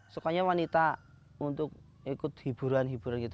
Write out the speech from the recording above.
sukanya wanita untuk ikut hiburan hiburan gitu